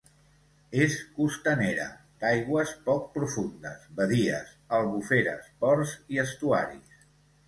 És costanera, d'aigües poc profundes, badies, albuferes, ports i estuaris.